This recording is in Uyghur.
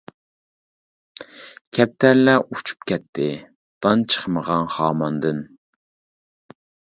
كەپتەرلەر ئۇچۇپ كەتتى، دان چىقمىغان خاماندىن.